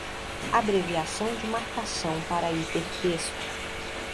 Abreviação de marcação para hipertexto